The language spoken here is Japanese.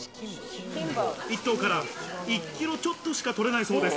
一頭から１キロちょっとしか取れないそうです。